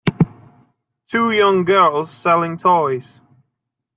Two young girls selling toys.